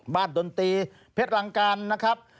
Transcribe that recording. ดนตรีเพชรรังการนะครับ